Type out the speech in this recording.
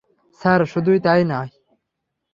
Sir শুধু তাই নয়।